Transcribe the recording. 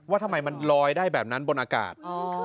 ว่าทำไมมันลอยได้แบบนั้นบนอากาศ